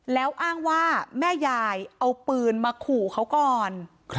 แล้วอ้างว่าแม่ยายเอาปืนมาขู่เขาก่อน